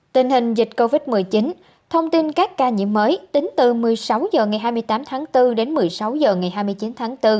tình hình dịch covid một mươi chín thông tin các ca nhiễm mới tính từ một mươi sáu h ngày hai mươi tám tháng bốn đến một mươi sáu h ngày hai mươi chín tháng bốn